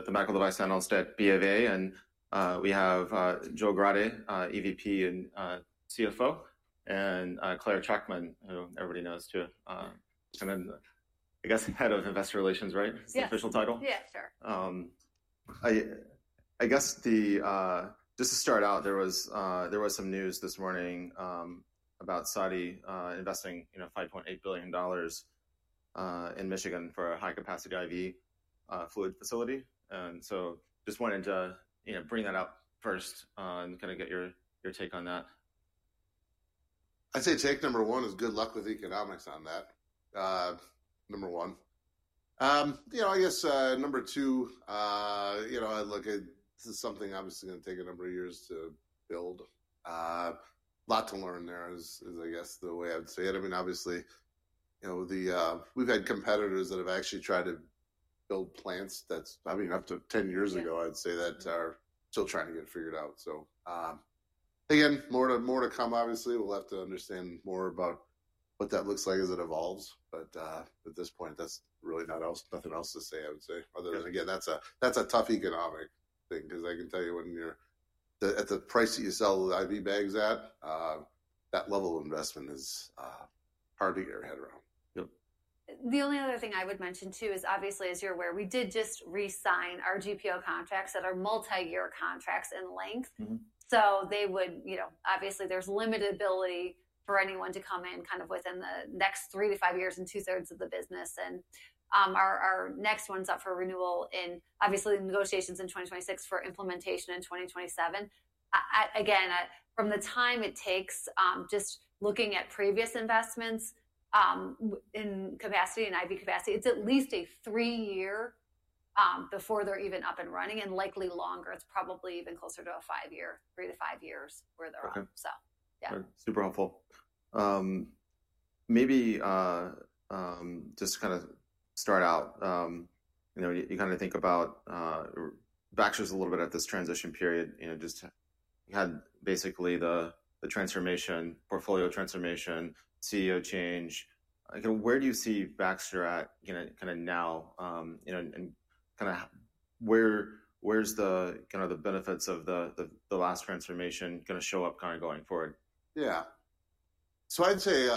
I see the back of the right side on stage, BofA, and we have Joel Grade, EVP and CFO, and Clare Trachtman, who everybody knows too. I guess, head of investor relations, right? Yeah. Official title? Yeah, sure. I guess just to start out, there was some news this morning about Saudi investing $5.8 billion in Michigan for a high-capacity IV fluid facility. I just wanted to bring that up first and kind of get your take on that. I'd say take number one is good luck with economics on that. Number one. I guess number two, this is something obviously going to take a number of years to build. A lot to learn there is, I guess, the way I'd say it. I mean, obviously, we've had competitors that have actually tried to build plants. That's probably enough to 10 years ago, I'd say, that are still trying to get it figured out. Again, more to come, obviously. We'll have to understand more about what that looks like as it evolves. At this point, that's really nothing else to say, I would say, other than, again, that's a tough economic thing because I can tell you when you're at the price that you sell the IV bags at, that level of investment is hard to get your head around. The only other thing I would mention too is, obviously, as you're aware, we did just re-sign our GPO contracts that are multi-year contracts in length. Obviously, there's limited ability for anyone to come in kind of within the next three to five years in two-thirds of the business. Our next one's up for renewal in, obviously, negotiations in 2026 for implementation in 2027. Again, from the time it takes, just looking at previous investments in capacity and IV capacity, it's at least three years before they're even up and running and likely longer. It's probably even closer to three to five years where they're at. Okay. Super helpful. Maybe just to kind of start out, you kind of think about Baxter's a little bit at this transition period, just had basically the portfolio transformation, CEO change. Where do you see Baxter at kind of now? Where's the benefits of the last transformation going to show up kind of going forward? Yeah. I'd say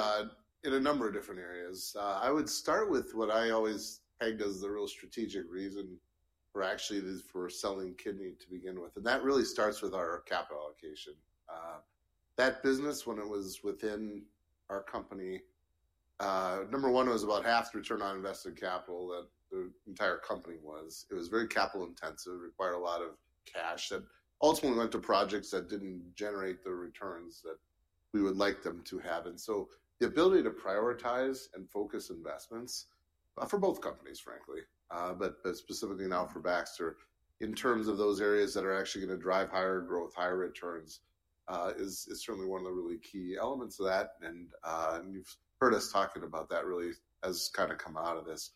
in a number of different areas. I would start with what I always pegged as the real strategic reason for actually selling kidney to begin with. That really starts with our capital allocation. That business, when it was within our company, number one, it was about half the return on invested capital that the entire company was. It was very capital-intensive, required a lot of cash, and ultimately went to projects that did not generate the returns that we would like them to have. The ability to prioritize and focus investments for both companies, frankly, but specifically now for Baxter, in terms of those areas that are actually going to drive higher growth, higher returns, is certainly one of the really key elements of that. You've heard us talking about that really as kind of come out of this.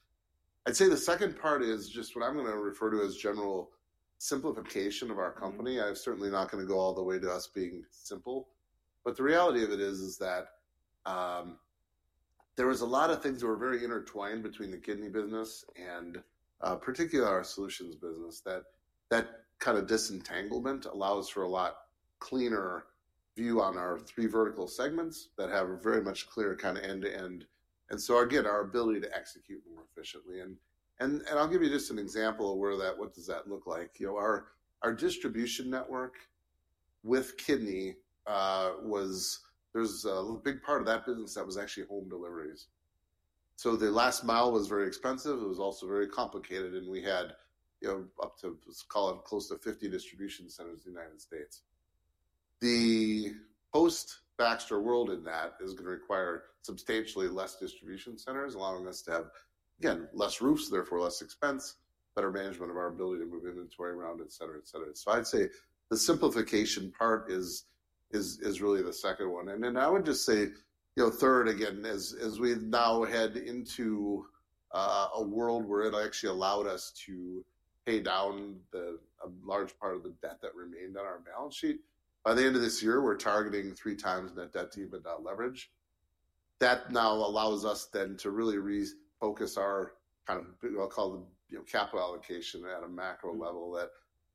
I'd say the second part is just what I'm going to refer to as general simplification of our company. I'm certainly not going to go all the way to us being simple. The reality of it is that there were a lot of things that were very intertwined between the kidney business and particularly our solutions business. That kind of disentanglement allows for a lot cleaner view on our three vertical segments that have a very much clearer kind of end-to-end. Our ability to execute more efficiently. I'll give you just an example of what does that look like. Our distribution network with kidney was there's a big part of that business that was actually home deliveries. The last mile was very expensive. It was also very complicated. We had up to, let's call it, close to 50 distribution centers in the United States. The post-Baxter world in that is going to require substantially fewer distribution centers, allowing us to have, again, fewer roofs, therefore less expense, better management of our ability to move inventory around, etc., etc. I'd say the simplification part is really the second one. I would just say third, again, as we now head into a world where it actually allowed us to pay down a large part of the debt that remained on our balance sheet, by the end of this year, we're targeting three times net debt to EBITDA leverage. That now allows us then to really refocus our kind of, I'll call it, capital allocation at a macro level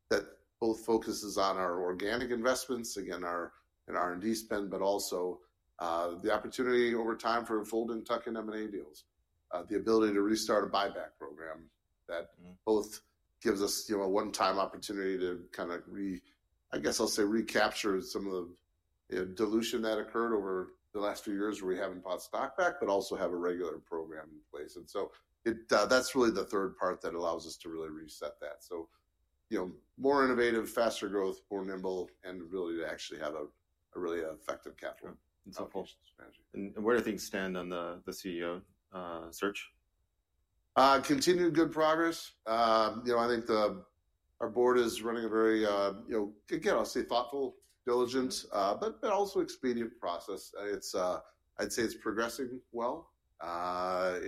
that both focuses on our organic investments, again, our R&D spend, but also the opportunity over time for Folden, Tucker, and M&A deals, the ability to restart a buyback program that both gives us a one-time opportunity to kind of, I guess I'll say, recapture some of the dilution that occurred over the last few years where we haven't bought stock back, but also have a regular program in place. That is really the third part that allows us to really reset that. More innovative, faster growth, more nimble, and really to actually have a really effective capital allocation strategy. Where do things stand on the CEO search? Continued good progress. I think our board is running a very, again, I'll say, thoughtful, diligent, but also expedient process. I'd say it's progressing well. I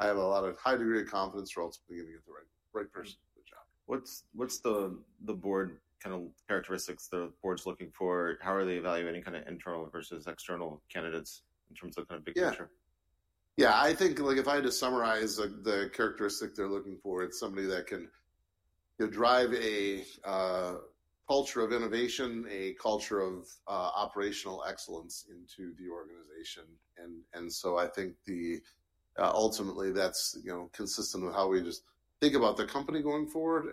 have a lot of high degree of confidence we're ultimately going to get the right person for the job. What's the board kind of characteristics the board's looking for? How are they evaluating kind of internal versus external candidates in terms of kind of big picture? Yeah. Yeah. I think if I had to summarize the characteristic they're looking for, it's somebody that can drive a culture of innovation, a culture of operational excellence into the organization. I think ultimately that's consistent with how we just think about the company going forward.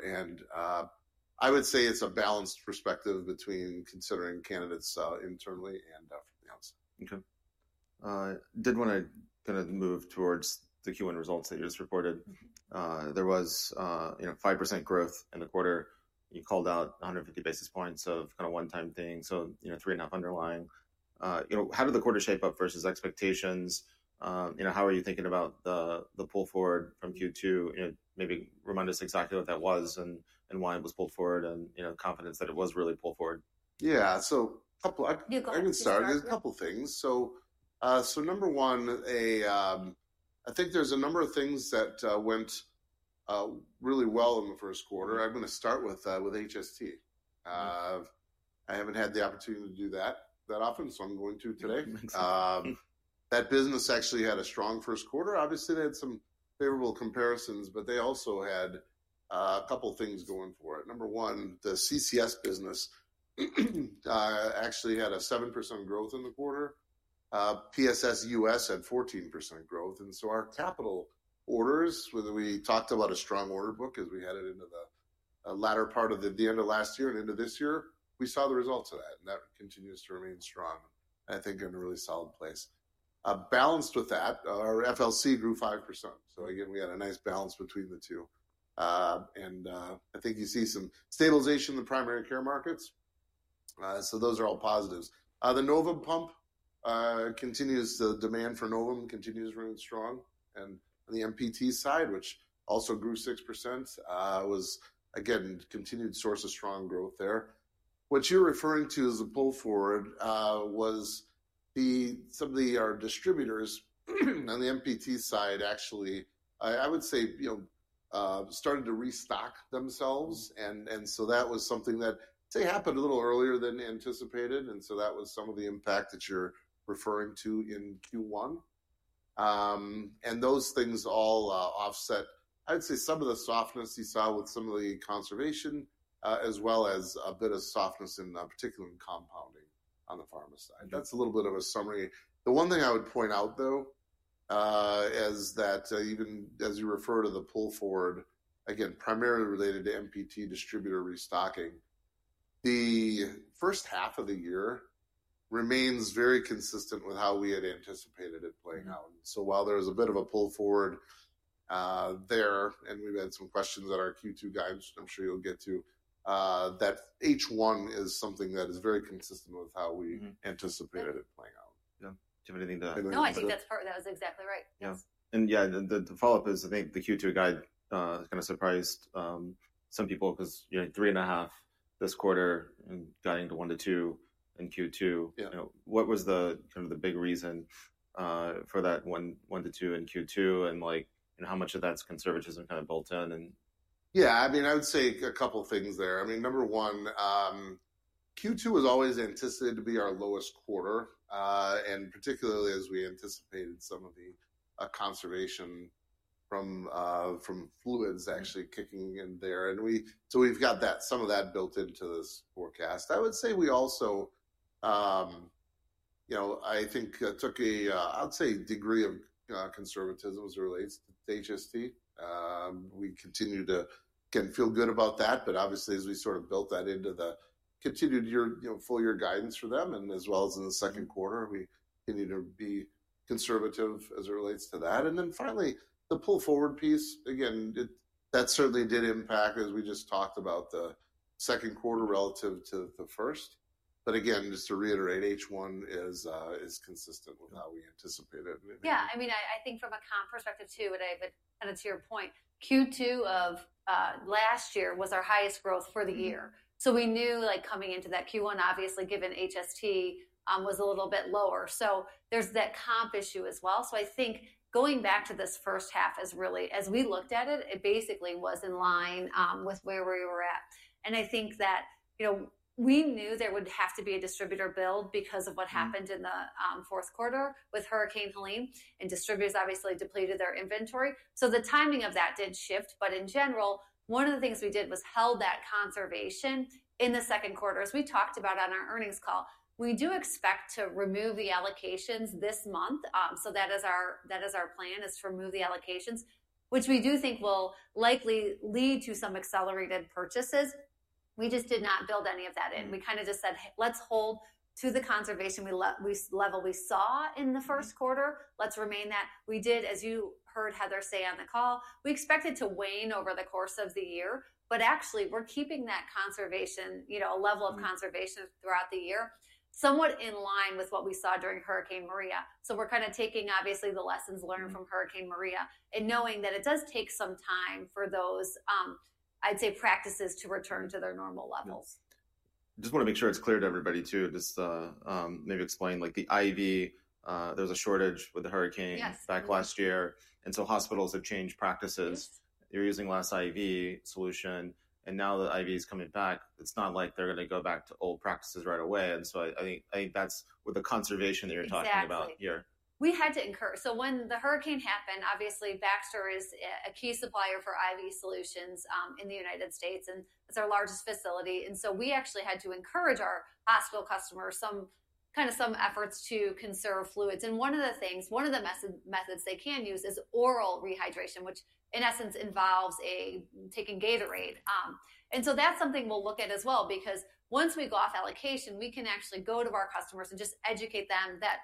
I would say it's a balanced perspective between considering candidates internally and from the outside. Okay. Did want to kind of move towards the Q1 results that you just reported. There was 5% growth in the quarter. You called out 150 basis points of kind of one-time thing, so 3.5% underlying. How did the quarter shape up versus expectations? How are you thinking about the pull forward from Q2? Maybe remind us exactly what that was and why it was pulled forward and confidence that it was really pulled forward. Yeah. I can start with a couple of things. Number one, I think there are a number of things that went really well in the first quarter. I'm going to start with HST. I haven't had the opportunity to do that that often, so I'm going to today. That business actually had a strong first quarter. Obviously, they had some favorable comparisons, but they also had a couple of things going for it. Number one, the CCS business actually had a 7% growth in the quarter. PSS US had 14% growth. Our capital orders, whether we talked about a strong order book as we headed into the latter part of the end of last year and into this year, we saw the results of that. That continues to remain strong. I think in a really solid place. Balanced with that, our FLC grew 5%. Again, we had a nice balance between the two. I think you see some stabilization in the primary care markets. Those are all positives. The Novum pump continues to demand for Novum continues to remain strong. On the MPT side, which also grew 6%, was, again, continued source of strong growth there. What you are referring to as a pull forward was some of our distributors on the MPT side actually, I would say, started to restock themselves. That was something that, say, happened a little earlier than anticipated. That was some of the impact that you are referring to in Q1. Those things all offset, I would say, some of the softness you saw with some of the conservation, as well as a bit of softness, particularly in compounding on the pharma side. That is a little bit of a summary. The one thing I would point out, though, is that even as you refer to the pull forward, again, primarily related to MPT distributor restocking, the first half of the year remains very consistent with how we had anticipated it playing out. While there was a bit of a pull forward there, and we've had some questions at our Q2 guidance, which I'm sure you'll get to, that H1 is something that is very consistent with how we anticipated it playing out. Yeah. Do you have anything to add? No, I think that part of that was exactly right. Yes. Yeah, the follow-up is, I think the Q2 guide kind of surprised some people because three and a half this quarter and guiding to one to two in Q2. What was kind of the big reason for that one to two in Q2 and how much of that's conservatism kind of built in? Yeah. I mean, I would say a couple of things there. I mean, number one, Q2 was always anticipated to be our lowest quarter, and particularly as we anticipated some of the conservation from fluids actually kicking in there. We have got some of that built into this forecast. I would say we also, I think, took a, I'd say, degree of conservatism as it relates to HST. We continue to, again, feel good about that. Obviously, as we sort of built that into the continued full year guidance for them and as well as in the second quarter, we need to be conservative as it relates to that. Finally, the pull forward piece, again, that certainly did impact as we just talked about the second quarter relative to the first. Again, just to reiterate, H1 is consistent with how we anticipated. Yeah. I mean, I think from a comp perspective too, but kind of to your point, Q2 of last year was our highest growth for the year. We knew coming into that Q1, obviously, given HST was a little bit lower. There is that comp issue as well. I think going back to this first half, as we looked at it, it basically was in line with where we were at. I think that we knew there would have to be a distributor build because of what happened in the fourth quarter with Hurricane Helene and distributors obviously depleted their inventory. The timing of that did shift. In general, one of the things we did was held that conservation in the second quarter, as we talked about on our earnings call. We do expect to remove the allocations this month. That is our plan, is to remove the allocations, which we do think will likely lead to some accelerated purchases. We just did not build any of that in. We kind of just said, "Let's hold to the conservation level we saw in the first quarter. Let's remain that." We did, as you heard Heather say on the call, we expected to wane over the course of the year, but actually, we're keeping that conservation, a level of conservation throughout the year, somewhat in line with what we saw during Hurricane Maria. We are kind of taking, obviously, the lessons learned from Hurricane Maria and knowing that it does take some time for those, I'd say, practices to return to their normal levels. I just want to make sure it's clear to everybody too, just to maybe explain the IV. There was a shortage with the hurricane back last year. Hospitals have changed practices. You're using less IV solution. Now the IV is coming back. It's not like they're going to go back to old practices right away. I think that's with the conservation that you're talking about here. We had to incur. When the hurricane happened, obviously, Baxter is a key supplier for IV solutions in the United States, and it is our largest facility. We actually had to encourage our hospital customers, kind of some efforts to conserve fluids. One of the things, one of the methods they can use is oral rehydration, which in essence involves taking Gatorade. That is something we will look at as well because once we go off allocation, we can actually go to our customers and just educate them that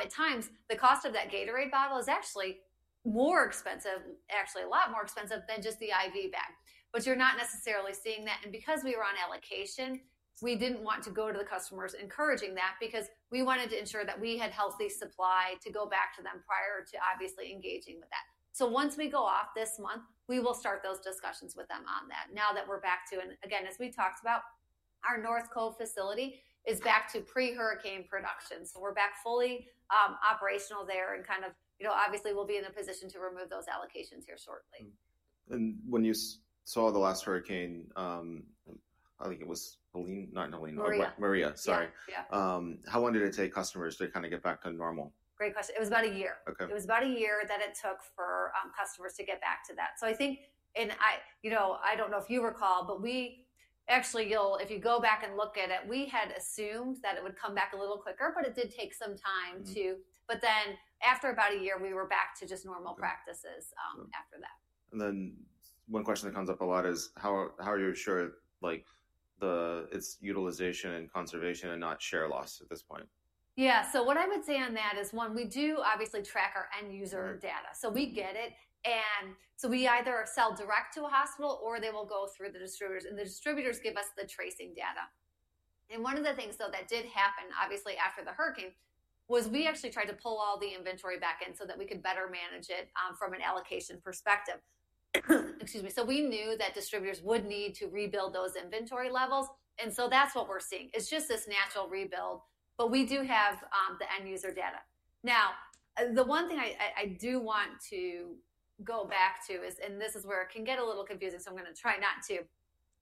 at times the cost of that Gatorade bottle is actually more expensive, actually a lot more expensive than just the IV bag. You are not necessarily seeing that. Because we were on allocation, we did not want to go to the customers encouraging that because we wanted to ensure that we had healthy supply to go back to them prior to obviously engaging with that. Once we go off this month, we will start those discussions with them on that. Now that we are back to, and again, as we talked about, our North Carolina facility is back to pre-hurricane production. We are back fully operational there and obviously we will be in a position to remove those allocations here shortly. When you saw the last hurricane, I think it was Helene, not Helene, Maria. Sorry. How long did it take customers to kind of get back to normal? Great question. It was about a year. It was about a year that it took for customers to get back to that. I think, and I do not know if you recall, but we actually, if you go back and look at it, we had assumed that it would come back a little quicker, but it did take some time to. After about a year, we were back to just normal practices after that. One question that comes up a lot is how are you sure it's utilization and conservation and not share loss at this point? Yeah. What I would say on that is, one, we do obviously track our end user data. We get it. We either sell direct to a hospital or they will go through the distributors. The distributors give us the tracing data. One of the things that did happen, obviously, after the hurricane was we actually tried to pull all the inventory back in so that we could better manage it from an allocation perspective. Excuse me. We knew that distributors would need to rebuild those inventory levels. That is what we are seeing. It is just this natural rebuild, but we do have the end user data. Now, the one thing I do want to go back to is, and this is where it can get a little confusing, so I'm going to try not to,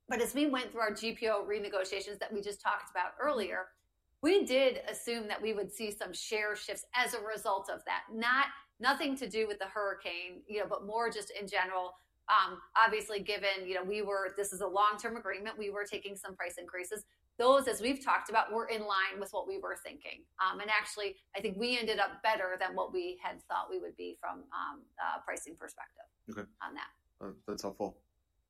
but as we went through our GPO renegotiations that we just talked about earlier, we did assume that we would see some share shifts as a result of that. Nothing to do with the hurricane, but more just in general, obviously, given this is a long-term agreement, we were taking some price increases. Those, as we've talked about, were in line with what we were thinking. Actually, I think we ended up better than what we had thought we would be from a pricing perspective on that. That's helpful.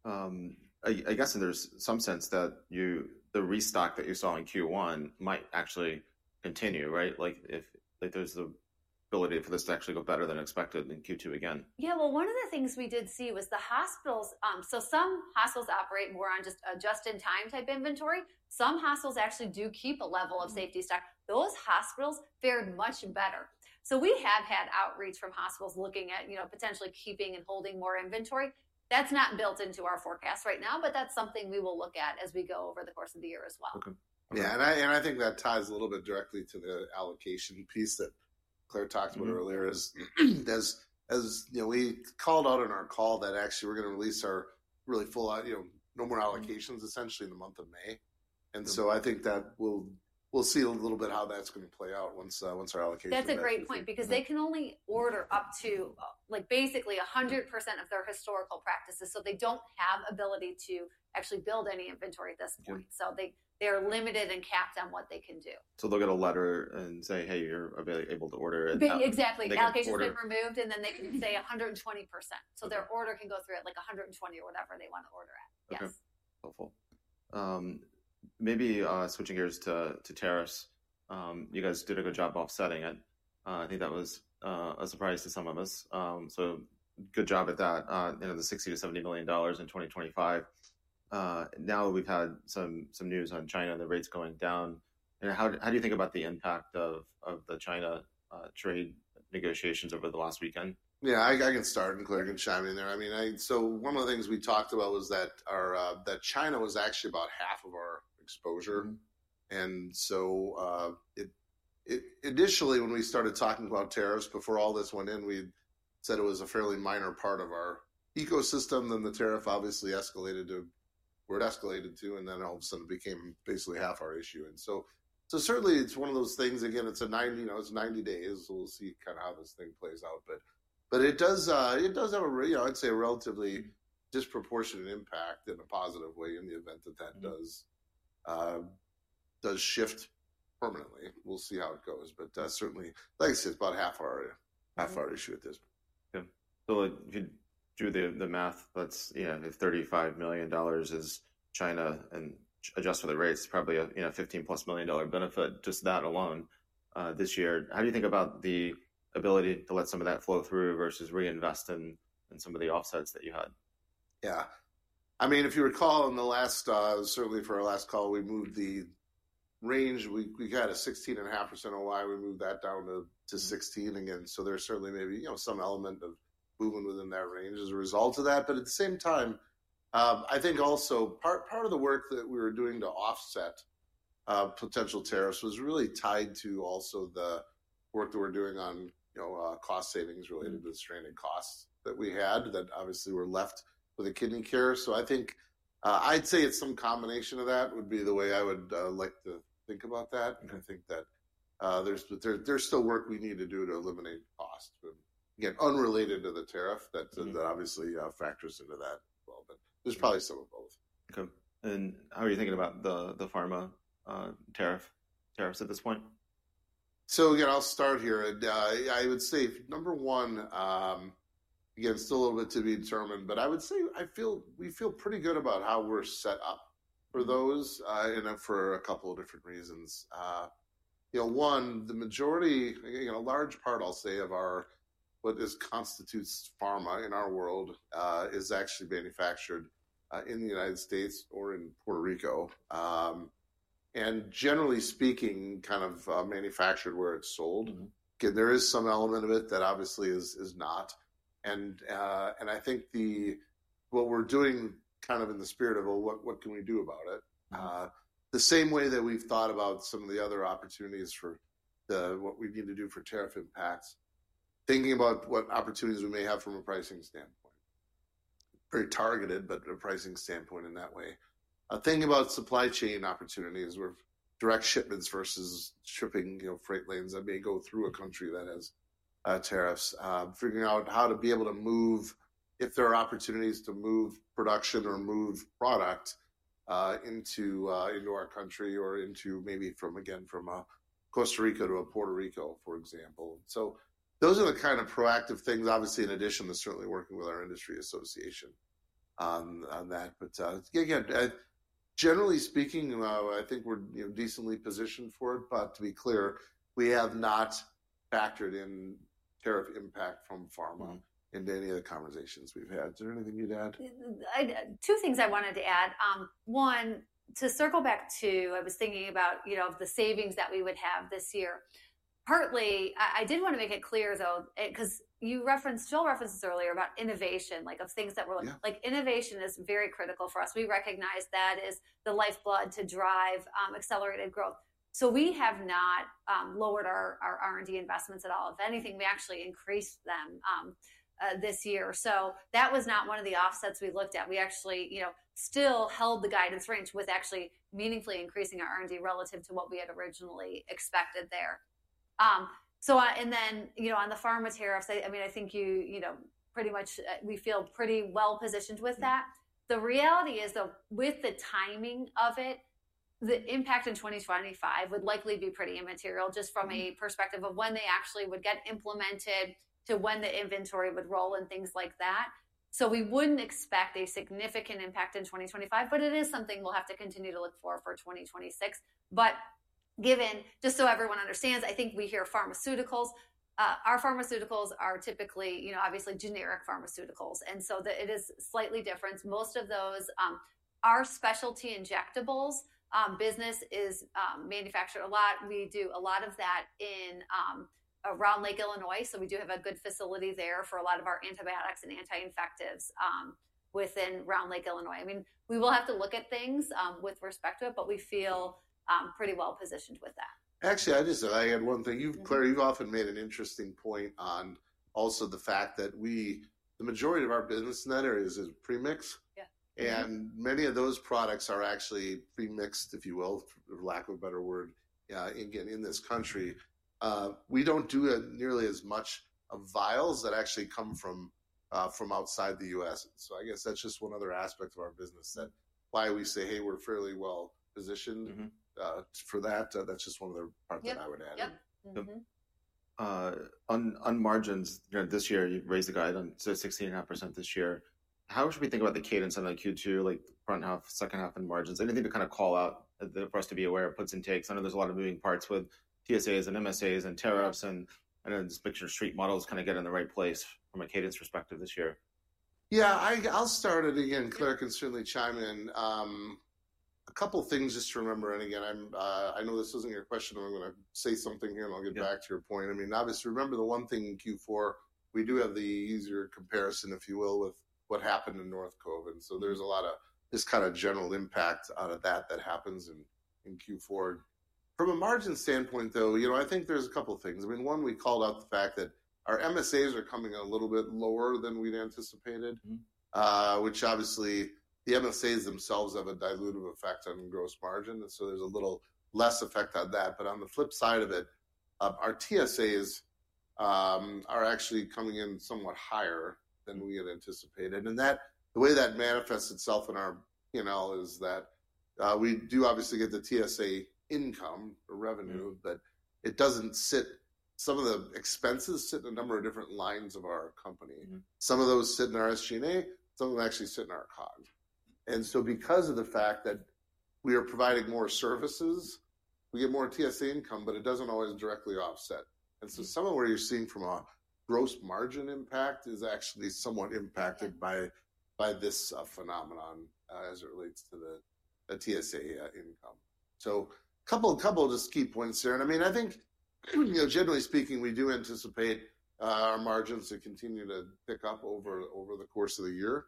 I guess in some sense that the restock that you saw in Q1 might actually continue, right? If there's the ability for this to actually go better than expected in Q2 again. Yeah. One of the things we did see was the hospitals. Some hospitals operate more on just a just-in-time type inventory. Some hospitals actually do keep a level of safety stock. Those hospitals fared much better. We have had outreach from hospitals looking at potentially keeping and holding more inventory. That's not built into our forecast right now, but that's something we will look at as we go over the course of the year as well. Yeah. I think that ties a little bit directly to the allocation piece that Clare talked about earlier, as we called out in our call that actually we're going to release our really full, no more allocations essentially in the month of May. I think that we'll see a little bit how that's going to play out once our allocation is. That's a great point because they can only order up to basically 100% of their historical practices. They do not have ability to actually build any inventory at this point. They are limited and capped on what they can do. They'll get a letter and say, "Hey, you're able to order it. Exactly. The allocation's been removed, and then they can say 120%. So their order can go through at like 120 or whatever they want to order at. Yes. Okay. Helpful. Maybe switching gears to tariffs. You guys did a good job offsetting it. I think that was a surprise to some of us. Good job at that, the $60-70 million in 2025. Now we've had some news on China, the rates going down. How do you think about the impact of the China trade negotiations over the last weekend? Yeah. I can start and Clare can chime in there. I mean, so one of the things we talked about was that China was actually about half of our exposure. I mean, initially, when we started talking about tariffs, before all this went in, we said it was a fairly minor part of our ecosystem. Then the tariff obviously escalated to where it escalated to, and then all of a sudden it became basically half our issue. I mean, certainly, it's one of those things. Again, it's a 90 days. We'll see kind of how this thing plays out. It does have a, I'd say, a relatively disproportionate impact in a positive way in the event that that does shift permanently. We'll see how it goes. I mean, certainly, like I said, it's about a half our issue at this point. Yeah. If you do the math, that's $35 million is China and adjust for the rates, probably a $15-plus million benefit just that alone this year. How do you think about the ability to let some of that flow through versus reinvest in some of the offsets that you had? Yeah. I mean, if you recall in the last, certainly for our last call, we moved the range. We got a 16.5% OI. We moved that down to 16% again. There is certainly maybe some element of movement within that range as a result of that. At the same time, I think also part of the work that we were doing to offset potential tariffs was really tied to also the work that we are doing on cost savings related to the stranded costs that we had that obviously were left with the kidney care. I think I would say it is some combination of that would be the way I would like to think about that. I think that there is still work we need to do to eliminate costs, again, unrelated to the tariff that obviously factors into that. There is probably some of both. Okay. How are you thinking about the pharma tariffs at this point? Again, I'll start here. I would say number one, still a little bit to be determined, but I would say we feel pretty good about how we're set up for those and for a couple of different reasons. One, the majority, a large part, I'll say, of what constitutes pharma in our world is actually manufactured in the United States or in Puerto Rico. And generally speaking, kind of manufactured where it's sold. There is some element of it that obviously is not. I think what we're doing, kind of in the spirit of what can we do about it, the same way that we've thought about some of the other opportunities for what we need to do for tariff impacts, thinking about what opportunities we may have from a pricing standpoint, very targeted, but a pricing standpoint in that way. Thinking about supply chain opportunities with direct shipments versus shipping freight lanes that may go through a country that has tariffs, figuring out how to be able to move if there are opportunities to move production or move product into our country or into maybe from, again, from Costa Rica to Puerto Rico, for example. Those are the kind of proactive things, obviously, in addition to certainly working with our industry association on that. Again, generally speaking, I think we're decently positioned for it. To be clear, we have not factored in tariff impact from pharma into any of the conversations we've had. Is there anything you'd add? Two things I wanted to add. One, to circle back to, I was thinking about the savings that we would have this year. Partly, I did want to make it clear, though, because you showed references earlier about innovation, like of things that were like, innovation is very critical for us. We recognize that is the lifeblood to drive accelerated growth. We have not lowered our R&D investments at all. If anything, we actually increased them this year. That was not one of the offsets we looked at. We actually still held the guidance range with actually meaningfully increasing our R&D relative to what we had originally expected there. On the pharma tariffs, I mean, I think pretty much we feel pretty well positioned with that. The reality is that with the timing of it, the impact in 2025 would likely be pretty immaterial just from a perspective of when they actually would get implemented to when the inventory would roll and things like that. We would not expect a significant impact in 2025, but it is something we will have to continue to look for for 2026. Just so everyone understands, I think we hear pharmaceuticals. Our pharmaceuticals are typically obviously generic pharmaceuticals. It is slightly different. Most of those are specialty injectables. Business is manufactured a lot. We do a lot of that in Round Lake, Illinois. We do have a good facility there for a lot of our antibiotics and anti-infectives within Round Lake, Illinois. I mean, we will have to look at things with respect to it, but we feel pretty well positioned with that. Actually, I just add one thing. Clare, you've often made an interesting point on also the fact that the majority of our business in that area is premix. And many of those products are actually premixed, if you will, for lack of a better word, again, in this country. We do not do nearly as much of vials that actually come from outside the U.S. I guess that's just one other aspect of our business that why we say, "Hey, we're fairly well positioned for that." That's just one other part that I would add. Yeah. On margins, this year, you raised the guidance to 16.5% this year. How should we think about the cadence on Q2, like front half, second half, and margins? Anything to kind of call out for us to be aware of, puts and takes? I know there's a lot of moving parts with TSAs and MSAs and tariffs. I know this picture street models kind of get in the right place from a cadence perspective this year. Yeah. I'll start it again. Clare can certainly chime in. A couple of things just to remember. I know this isn't your question. I'm going to say something here and I'll get back to your point. I mean, obviously, remember the one thing in Q4, we do have the easier comparison, if you will, with what happened in North Covid. There is a lot of just kind of general impact out of that that happens in Q4. From a margin standpoint, though, I think there are a couple of things. I mean, one, we called out the fact that our MSAs are coming a little bit lower than we'd anticipated, which obviously the MSAs themselves have a dilutive effect on gross margin. There is a little less effect on that. On the flip side of it, our TSAs are actually coming in somewhat higher than we had anticipated. The way that manifests itself in our is that we do obviously get the TSA income or revenue, but it does not sit. Some of the expenses sit in a number of different lines of our company. Some of those sit in our SG&A. Some of them actually sit in our COG. Because of the fact that we are providing more services, we get more TSA income, but it does not always directly offset. Some of what you are seeing from a gross margin impact is actually somewhat impacted by this phenomenon as it relates to the TSA income. A couple of just key points there. I mean, I think generally speaking, we do anticipate our margins to continue to pick up over the course of the year,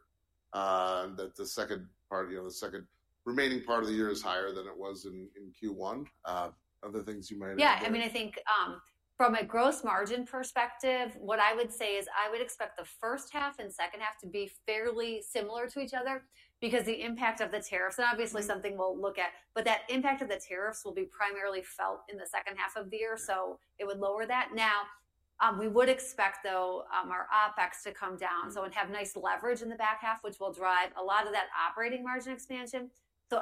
that the second part, the second remaining part of the year is higher than it was in Q1. Other things you might. Yeah. I mean, I think from a gross margin perspective, what I would say is I would expect the first half and second half to be fairly similar to each other because the impact of the tariffs, and obviously something we'll look at, but that impact of the tariffs will be primarily felt in the second half of the year. It would lower that. Now, we would expect, though, our OPEX to come down. We'd have nice leverage in the back half, which will drive a lot of that operating margin expansion.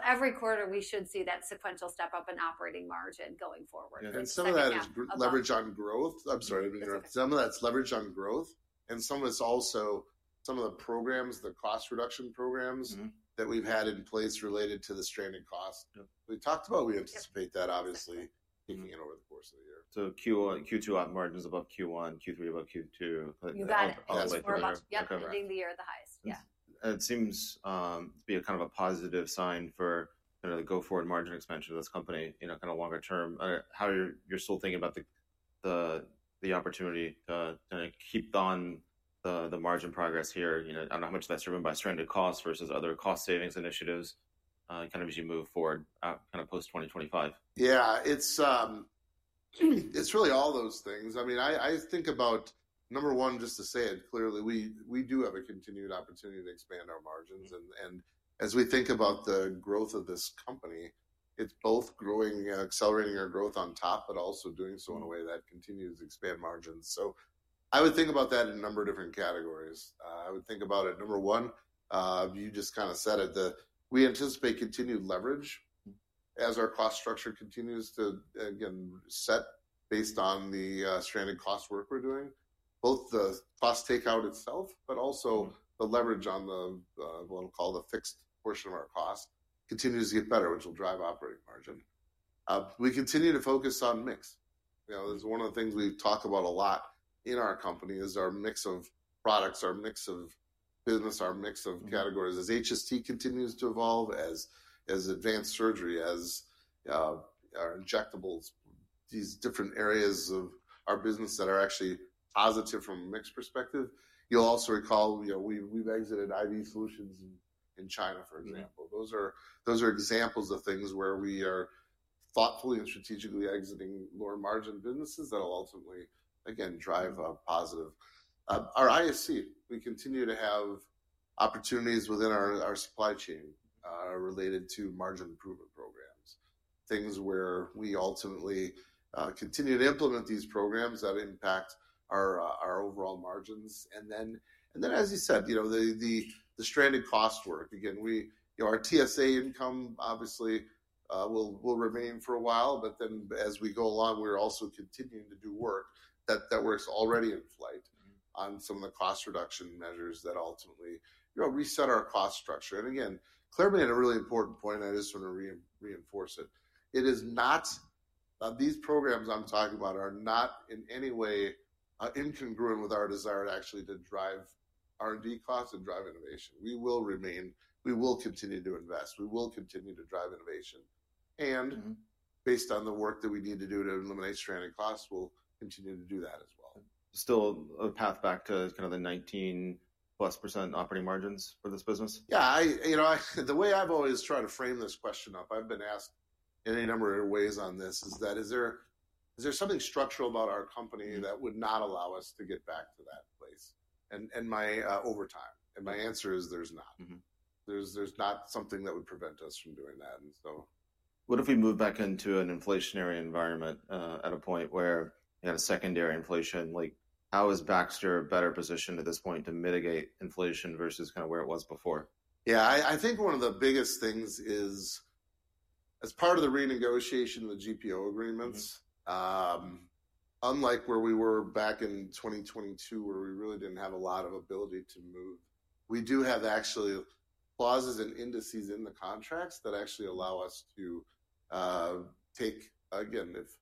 Every quarter, we should see that sequential step up in operating margin going forward. Yeah. Some of that is leverage on growth. I'm sorry. Some of that's leverage on growth. Some of it's also some of the programs, the cost reduction programs that we've had in place related to the stranded cost. We talked about we anticipate that, obviously, taking it over the course of the year. Q2 margins above Q1, Q3 above Q2. You got it. That is more about ending the year at the highest. Yeah. It seems to be kind of a positive sign for the go-forward margin expansion of this company kind of longer term. How are you still thinking about the opportunity to keep on the margin progress here? I don't know how much that's driven by stranded costs versus other cost savings initiatives kind of as you move forward kind of post-2025. Yeah. It's really all those things. I mean, I think about number one, just to say it clearly, we do have a continued opportunity to expand our margins. As we think about the growth of this company, it's both growing, accelerating our growth on top, but also doing so in a way that continues to expand margins. I would think about that in a number of different categories. I would think about it, number one, you just kind of said it, that we anticipate continued leverage as our cost structure continues to, again, set based on the stranded cost work we're doing, both the cost takeout itself, but also the leverage on what we'll call the fixed portion of our cost continues to get better, which will drive operating margin. We continue to focus on mix. It's one of the things we talk about a lot in our company is our mix of products, our mix of business, our mix of categories. As HST continues to evolve, as advanced surgery, as our injectables, these different areas of our business that are actually positive from a mix perspective, you'll also recall we've exited IV solutions in China, for example. Those are examples of things where we are thoughtfully and strategically exiting lower margin businesses that will ultimately, again, drive a positive. Our ISC, we continue to have opportunities within our supply chain related to margin improvement programs, things where we ultimately continue to implement these programs that impact our overall margins. Then, as you said, the stranded cost work, again, our TSA income obviously will remain for a while, but as we go along, we are also continuing to do work that is already in flight on some of the cost reduction measures that ultimately reset our cost structure. Clare made a really important point. I just want to reinforce it. These programs I am talking about are not in any way incongruent with our desire to actually drive R&D costs and drive innovation. We will remain, we will continue to invest. We will continue to drive innovation. Based on the work that we need to do to eliminate stranded costs, we will continue to do that as well. Still a path back to kind of the 19% plus operating margins for this business? Yeah. The way I've always tried to frame this question up, I've been asked in a number of ways on this, is that is there something structural about our company that would not allow us to get back to that place in my overtime? And my answer is there's not. There's not something that would prevent us from doing that. What if we move back into an inflationary environment at a point where we had a secondary inflation? How is Baxter better positioned at this point to mitigate inflation versus kind of where it was before? Yeah. I think one of the biggest things is as part of the renegotiation of the GPO agreements, unlike where we were back in 2022, where we really did not have a lot of ability to move, we do have actually clauses and indices in the contracts that actually allow us to take, again, if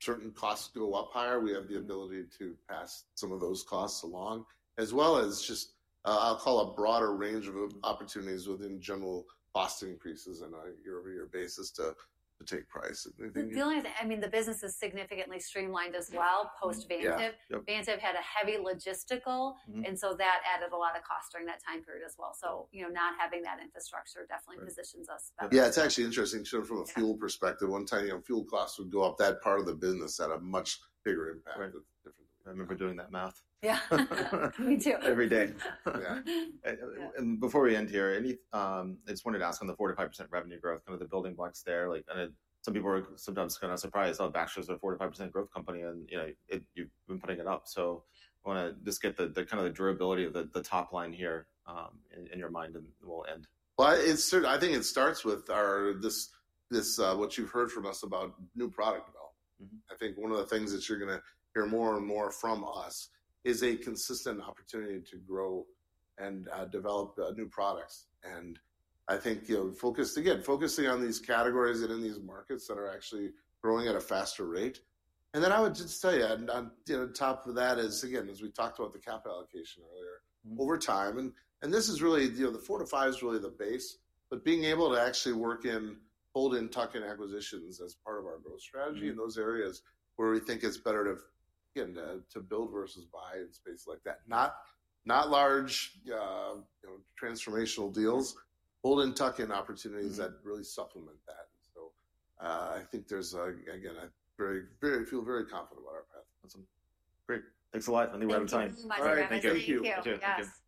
certain costs go up higher, we have the ability to pass some of those costs along, as well as just, I will call, a broader range of opportunities within general cost increases on a year-over-year basis to take price. I mean, the business is significantly streamlined as well post-Vantive. Vantive had a heavy logistical, and so that added a lot of cost during that time period as well. Not having that infrastructure definitely positions us better. Yeah. It's actually interesting from a fuel perspective. One time fuel costs would go up, that part of the business had a much bigger impact. I remember doing that math. Yeah. Me too. Every day. Yeah. Before we end here, I just wanted to ask on the 4-5% revenue growth, kind of the building blocks there. Some people are sometimes kind of surprised how Baxter's a 4-5% growth company and you've been putting it up. I want to just get kind of the durability of the top line here in your mind and we'll end. I think it starts with what you've heard from us about new product development. I think one of the things that you're going to hear more and more from us is a consistent opportunity to grow and develop new products. I think, again, focusing on these categories and in these markets that are actually growing at a faster rate. I would just tell you, on top of that is, again, as we talked about the cap allocation earlier, over time, and this is really the four to five is really the base, but being able to actually work in hold and tuck and acquisitions as part of our growth strategy in those areas where we think it's better to build versus buy in space like that. Not large transformational deals, hold and tuck and opportunities that really supplement that. I think there's, again, I feel very confident about our path. Awesome. Great. Thanks a lot. I think we're out of time. Thank you. All right. Thank you. Thank you. Thank you.